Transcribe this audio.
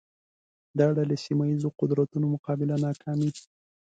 دا ډلې سیمه ییزو قدرتونو مقابله ناکامې